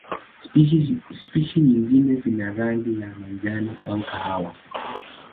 Spishi nyingine zina rangi ya majani au kahawa.